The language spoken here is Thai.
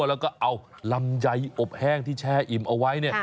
แล้วก็เอาลำไยอบแห้งที่แช่อิ่มเอาไว้